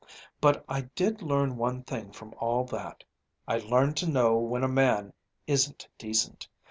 But I did learn one thing from all that I learned to know when a man isn't decent.